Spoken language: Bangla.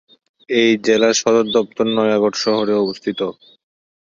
এই জেলার সদর দপ্তর নয়গড় শহরে অবস্থিত।